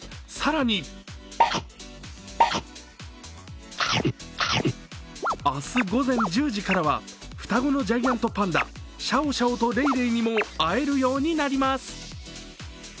更に明日午前１０時からは双子のジャイアントパンダシャオシャオとレイレイにも会えるようになります。